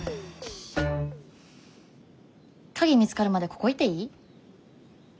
鍵見つかるまでここいていい？